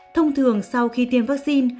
thông thường sau khi tiêm vaccine